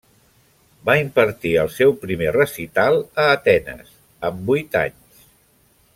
Va impartir el seu primer recital a Atenes amb vuit anys.